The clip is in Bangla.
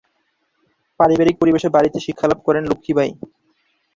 পারিবারিক পরিবেশে বাড়িতে শিক্ষালাভ করেন লক্ষ্মী বাঈ।